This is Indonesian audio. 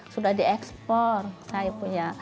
sudah diekspor saya punya